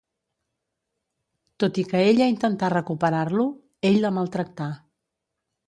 Tot i que ella intentà recuperar-lo, ell la maltractà.